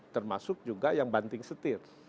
termasuk juga yang banting setir